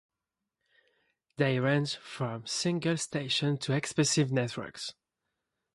They range from single stations to expansive networks.